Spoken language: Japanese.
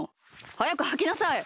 はやくはきなさい！